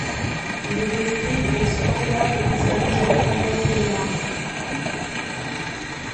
Il était scribe et subrécargue au service de la compagnie des Indes.